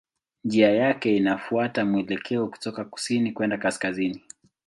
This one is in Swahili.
Njia yake inafuata mwelekeo kutoka kusini kwenda kaskazini.